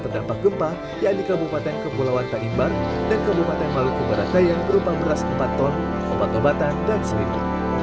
dampak gempa yang di kabupaten kepulauan tanimbar dan kabupaten maluku barat daya berupa beras empat ton obat obatan dan selip